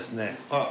はい。